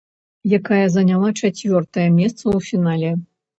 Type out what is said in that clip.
Якая заняла чацвёртае месца ў фінале.